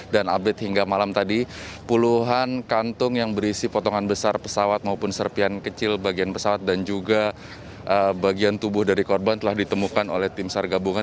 dan update hingga malam tadi puluhan kantung yang berisi potongan besar pesawat maupun serpian kecil bagian pesawat dan juga bagian tubuh dari korban telah ditemukan oleh tim sargabungan